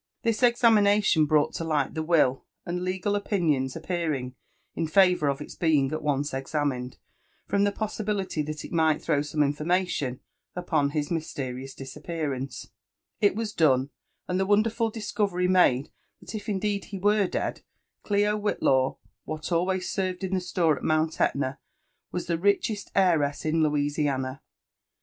This examination brought to light the will ; and legal opinions ap 964 LIFE AND ADVENTURES OF . peariDg in favour ofits being atonce examined, from the possibility that it might throw some information upon his mysterious disappearance, it was done, and the wonderful discovery made, that if indeed he were dead, '* Cli Whitlaw, what always served in the store at Mount Etna, was the richest heiress in Louisiana."